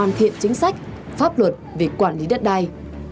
không phải vì mục đích hoàn thiện chính sách pháp luật về quản lý đất đai